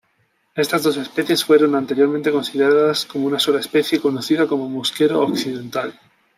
Estas dos especies fueron anteriormente consideradas como una sola especie conocida como mosquero occidental.